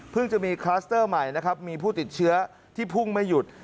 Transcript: เพิ่งจะมีคลัสเตอร์ใหม่มีผู้ติดเชื้อที่พุ่งไม่หยุด